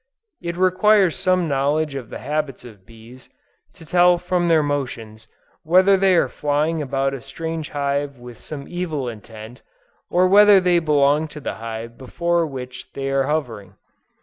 It requires some knowledge of the habits of bees, to tell from their motions, whether they are flying about a strange hive with some evil intent, or whether they belong to the hive before which they are hovering.